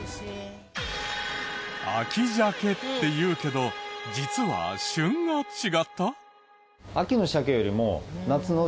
「秋鮭」っていうけど実は旬が違った？